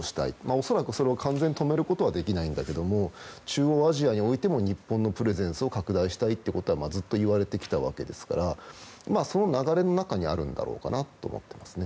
恐らく、それを完全に止めることはできないんだけども中央アジアにおいても日本のプレゼンスを拡大したいってことはずっと言われてきたわけですからその流れの中にあるんだろうなと思っています。